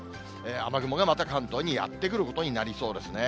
雨雲がまた関東にやって来ることになりそうですね。